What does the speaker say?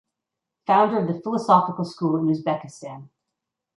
Founder of the philosophical school in Uzbekistan.